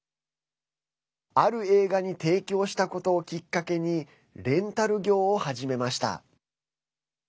ある映画に提供したことをきっかけにレンタル業を始めました。